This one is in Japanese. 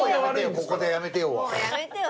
ここで「やめてよ」は。